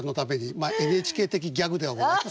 まあＮＨＫ的ギャグではございますけども。